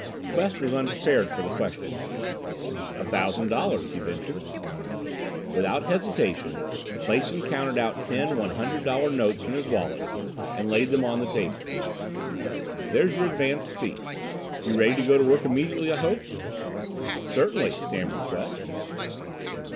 Quest was unprepared for the question. "A thousand dollars," he ventured. Without hesitation Clason counted out ten one hundred dollar notes from his wallet and laid them on the table. "There's your advance fee. You're ready to go to work immediately, I hope?" "Certainly," stammered Quest.